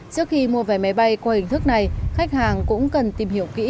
trước khi mua vé máy bay qua hình thức này khách hàng cũng cần tìm hiểu kỹ